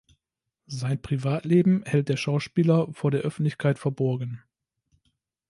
Sein Privatleben hält der Schauspieler vor der Öffentlichkeit verborgen.